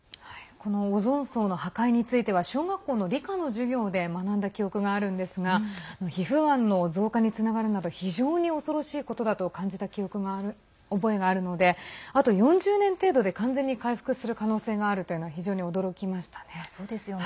このオゾン層の破壊については小学校の理科の授業で学んだ記憶があるんですが皮膚がんの増加につながるなど非常に恐ろしいことだと感じた覚えがあるのであと４０年程度で完全に回復する可能性があるというのは非常に驚きましたね。